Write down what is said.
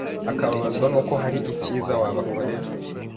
akababazwa n’uko hari icyiza wabakorera